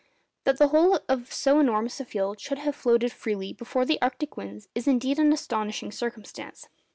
That the whole of so enormous a field should have floated freely before the arctic winds is indeed an astonishing circumstance.